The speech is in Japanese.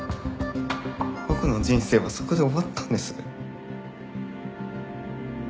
僕の人生はそこで終わったんです。